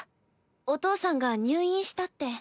お父さんが入院したって。